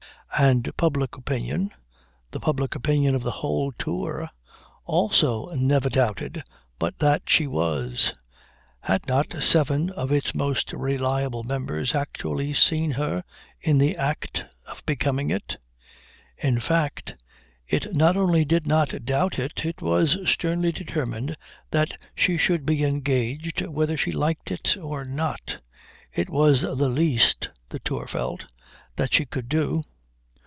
And public opinion, the public opinion of the whole Tour, also never doubted but that she was had not seven of its most reliable members actually seen her in the act of becoming it? In fact it not only did not doubt it, it was sternly determined that she should be engaged whether she liked it or not. It was the least, the Tour felt, that she could do.